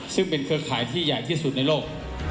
ซึ่งเป็นเครือข่ายที่ใหญ่ที่สุดในโลก